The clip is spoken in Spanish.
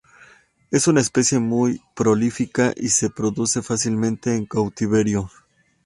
Es una especie muy prolífica y se reproduce fácilmente en cautiverio.